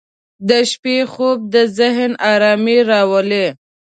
• د شپې خوب د ذهن آرامي راولي.